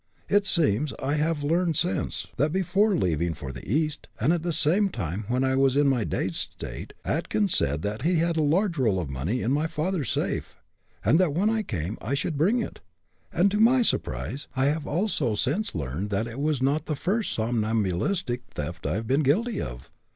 It seems, as I have learned since, that before his leaving for the East, and at the same time when I was in my dazed state Atkins said that he had a large roll of money in my father's safe, and that when I came, I should bring it. And to my surprise, I have also since learned that it was not the first somnambulistic theft I have been guilty of.